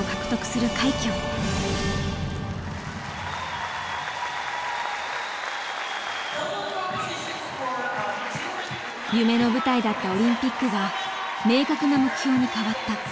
夢の舞台だったオリンピックが明確な目標に変わった。